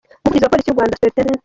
Umuvugizi wa Polisi y’u Rwanda Supt.